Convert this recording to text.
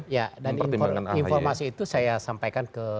ya dan informasi itu saya sampaikan ke